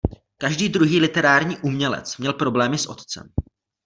Každý druhý literární umělec měl problémy s otcem.